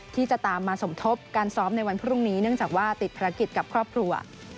ที่จะตามมาสมทบการซ้อมในวันพรุ่งนี้เนื่องจากว่าติดภารกิจกับครอบครัว